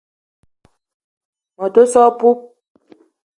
Me te so a poup.